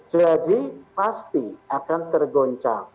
jadi pasti akan tergoncang